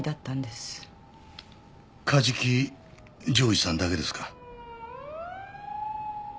梶木譲士さんだけですか？